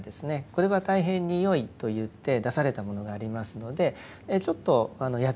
これは大変によいと言って出されたものがありますのでちょっとやってみたいと思います。